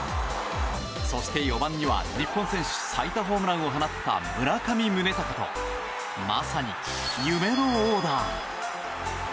そして４番には日本選手最多ホームランを放った村上宗隆とまさに夢のオーダー。